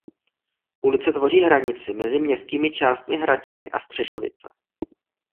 Ulice tvoří hranici mezi městskými částmi Hradčany a Střešovice.